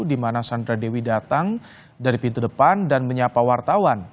di mana sandra dewi datang dari pintu depan dan menyapa wartawan